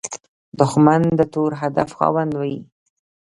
دښمن د تور هدف خاوند وي